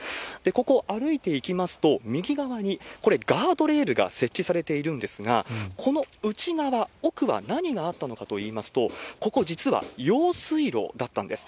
ここを歩いていきますと、右側に、これ、ガードレールが設置されているんですが、この内側、奥は何があったのかといいますと、ここ、実は用水路だったんです。